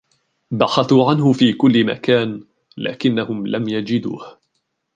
بحثوا عنه في كل مكان ، لكنهم لم يجدوه.